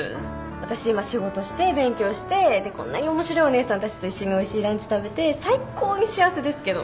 私今仕事して勉強してでこんなに面白いお姉さんたちと一緒においしいランチ食べて最高に幸せですけど。